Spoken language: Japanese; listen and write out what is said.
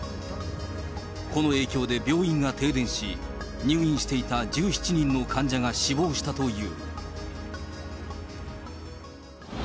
この影響で病院が停電し、入院していた１７人の患者が死亡したという。